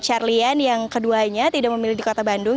charlian yang keduanya tidak memilih di kota bandung